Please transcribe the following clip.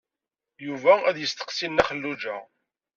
Yuba ad yesteqsi Nna Xelluǧa.